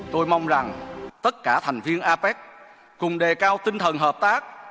tôi mong rằng tất cả thành viên apec cùng đề cao tinh thần hợp tác